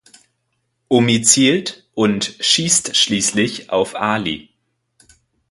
Omi zielt und schießt schließlich auf Ali.